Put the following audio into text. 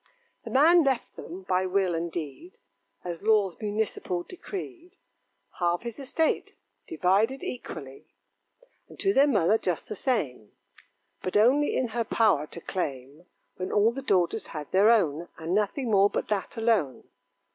The man left them, by will and deed, As laws municipal decreed, Half his estate, divided equally; And to their mother just the same: But only in her power to claim When all the daughters had their own And nothing more but that alone.